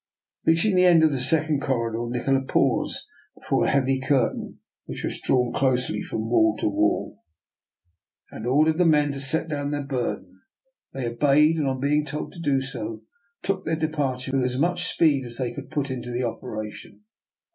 Reaching the end of the second cor ridor, Nikola paused before a heavy curtain which was drawn closely from wall to wall. DR. NIKOLA'S EXPERIMENT. i6l and ordered the men to set down their burden. They obeyed; and, on being told to do so, took their departure with as much speed as they could put into the operation.